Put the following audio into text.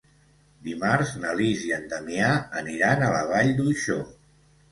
Dimarts na Lis i en Damià aniran a la Vall d'Uixó.